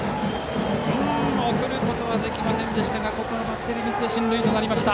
送ることはできませんでしたがバッテリーミスで進塁となりました。